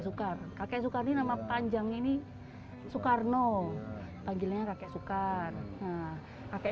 sukar kakek sukar ini nama panjang ini soekarno panggilnya rakyat sukar kakek